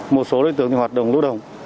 một số đối tượng hoạt động lũ đồng